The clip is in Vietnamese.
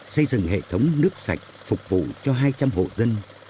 xây dựng hệ thống nước sạch phục vụ cho hai trăm linh hộ dân